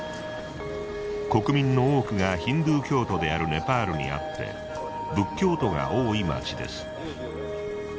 国民の多くがヒンドゥー教徒であるネパールにあって仏教徒が多い街です。